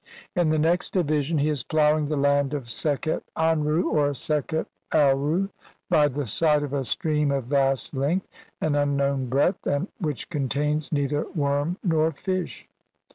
In the next division he is ploughing the land of Sekhet Anru or Sekhet Aaru by the side of a stream of vast length and un known breadth, which contains neither worm nor fish.